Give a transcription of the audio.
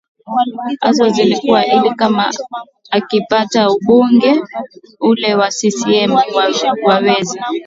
azo zilikuwa ili kama akipata ubunge ule wa ccm waweze